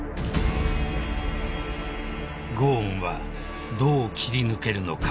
［ゴーンはどう切り抜けるのか？］